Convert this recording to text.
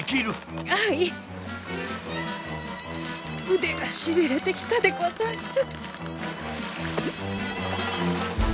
うでがしびれてきたでござんす。